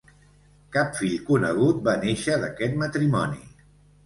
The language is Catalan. Cap fill conegut va néixer d'aquest matrimoni.